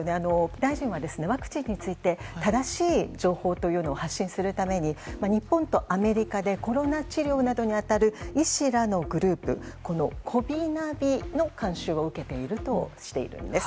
大臣はワクチンについて正しい情報というのを発信するために日本とアメリカでコロナ治療などに当たる医師らのグループ、こびナビの監修を受けているとしているんです。